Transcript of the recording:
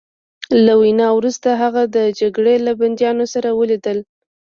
له وینا وروسته هغه د جګړې له بندیانو سره ولیدل